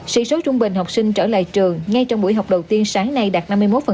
sĩ số trung bình học sinh trở lại trường ngay trong buổi học đầu tiên sáng nay đạt năm mươi một